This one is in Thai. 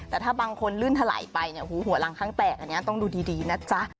แต่ถ้าบางคนลื่นถล่ายไปหัวลังข้างแตกต้องดูดีนะจ๊ะ